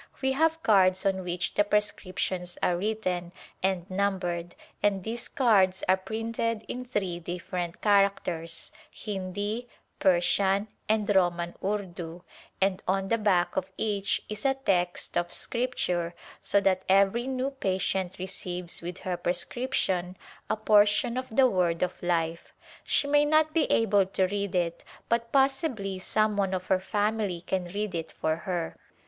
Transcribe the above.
We have cards on which the prescriptions are written and numbered and these cards are printed in three different characters, Hindi, Persian and Roman Urdu, and on the back of each is a text of Scripture so that every new patient receives with her prescription a portion of the Word of Life. She may not be able to read it but possibly some one of her family can read it for her.